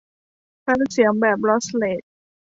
แฟ้มเสียงแบบลอสเลส